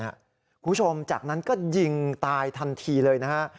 คุณผู้ชมจากนั้นก็ยิงตายทันทีเลยนะฮะ